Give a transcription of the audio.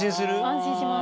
安心します。